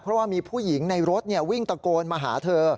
เพราะว่ามีผู้หญิงในรถวิ่งตะโกนมาหาเธอ